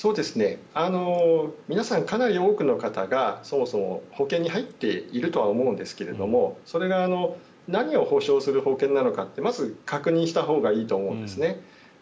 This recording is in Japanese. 皆さん、かなり多くの方がそもそも保険に入っているとは思うんですがそれが何を補償する保険なのかってまず確認したほうがいいと思うんですね。